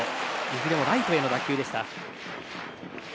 いずれもライトへの打球でした。